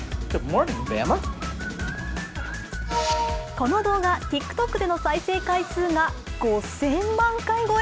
この動画、ＴｉｋＴｏｋでの再生回数が５０００万回超え。